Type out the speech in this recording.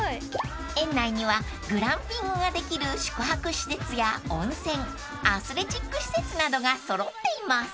［園内にはグランピングができる宿泊施設や温泉アスレチック施設などが揃っています］